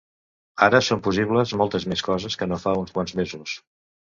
"Ara són possibles moltes més coses que no fa uns quants mesos"